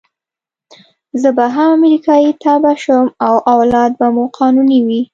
زه به هم امریکایي تبعه شم او اولاد به مو قانوني وي.